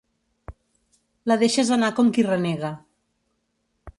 La deixes anar com qui renega.